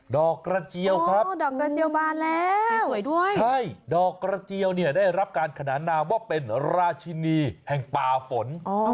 ดอกกระเจียวครับอ๋อดอกกระเจียวบานแล้วใช่ดอกกระเจียวได้รับการขนาดหนาวว่าเป็นราชินีแห่งป่าฝน